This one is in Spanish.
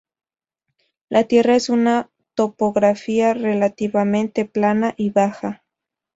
La tierra es una topografía relativamente plana y baja.